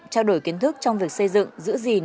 trao đổi kiến thức trong việc xây dựng giữ gìn